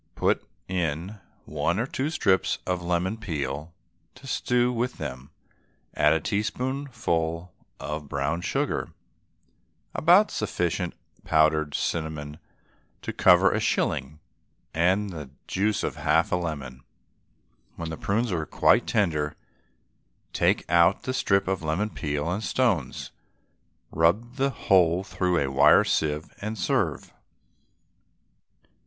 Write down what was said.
Put in one or two strips of lemon peel to stew with them, add a teaspoonful of brown sugar, about sufficient powdered cinnamon to cover a shilling, and the juice of half a lemon. When the prunes are quite tender take out the strip of lemon peel and stones, rub the whole through a wire sieve, and serve.